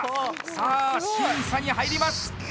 さあ審査に入ります。